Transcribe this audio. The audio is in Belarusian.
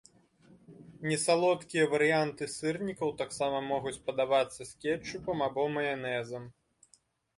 Несалодкія варыянты сырнікаў таксама могуць падавацца з кетчупам або маянэзам.